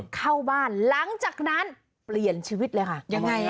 เข้าบ้านหลังจากนั้นเปลี่ยนชีวิตเลยค่ะ